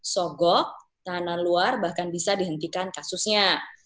sogok tahanan luar bahkan bisa dihentikan kasusnya